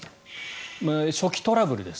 初期トラブルです。